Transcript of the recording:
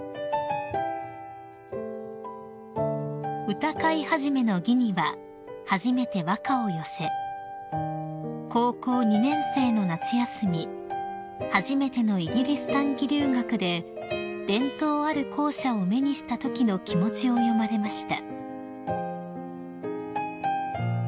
［歌会始の儀には初めて和歌を寄せ高校２年生の夏休み初めてのイギリス短期留学で伝統ある校舎を目にしたときの気持ちを詠まれました］